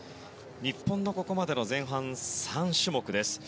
日本のここまで前半３種目です。